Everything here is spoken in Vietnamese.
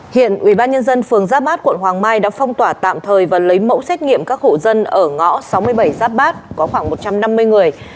hiện ubnd phường giáp bát quận hoàng mai đã phong tỏa tạm thời và lấy mẫu xét nghiệm các hộ dân ở ngõ sáu mươi bảy giáp bát có khoảng một trăm năm mươi người